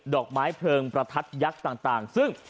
อกไม้เพลิงประทัดยักษ์ต่างซึ่ง